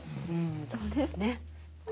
そうですね。